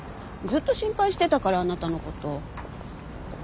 ずっと心配してたからあなたのこと。